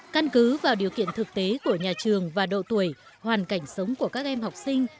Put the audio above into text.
căn cứ vào điều kiện thực tế của nhà trường và độ tuổi hoàn cảnh sống của các em học sinh